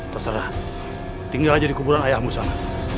terserah tinggal aja di kuburan ayahmu sama